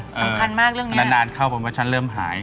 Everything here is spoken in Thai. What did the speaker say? สำคัญมากเรื่องนี้นานเข้าโปรโมชั่นเริ่มหาย